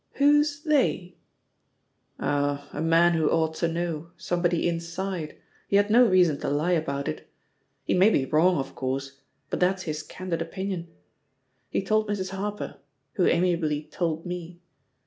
"Who's 'they'r* "Oh, a man who ought to know; somebody 'inside'; he had no reason to lie about it. He may be wrong, of course, but that's his candid opinion. He told Mrs. Harper — ^who amiably told me.